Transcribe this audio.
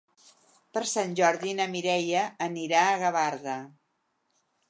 Per Sant Jordi na Mireia anirà a Gavarda.